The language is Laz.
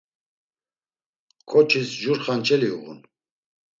Ǩoçis jur xanç̌ali uğun.